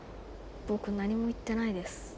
僕何も言ってないです。